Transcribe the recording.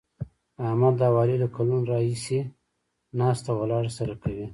احمد او علي له کلونو راهسې ناسته ولاړه سره کوي.